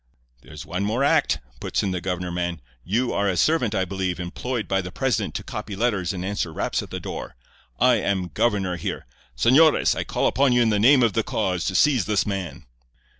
"'There's one more act,' puts in the governor man. 'You are a servant, I believe, employed by the president to copy letters and answer raps at the door. I am governor here. Señores, I call upon you in the name of the cause to seize this man.